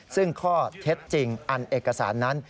ซึ่งข้อเท็จจริงอันเอกสารนั้น